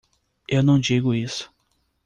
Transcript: Eu não digo isso.